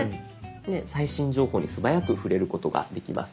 最新情報に素早く触れることができます。